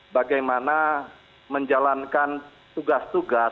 bagaimana menjalankan tugas tugas